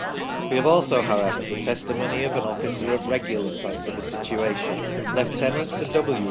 We have also, however, the testimony of an officer of Regulars as to the situation. Lieutenant Sir W.